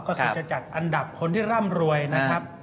ก็คือจะจัดอันดับคนที่ร่ำรวยนะครับ